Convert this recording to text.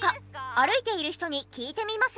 歩いている人に聞いてみますが。